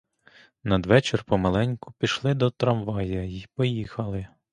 Надвечір помаленьку пішли до трамвая й поїхали.